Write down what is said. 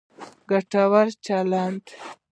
ګټور چلند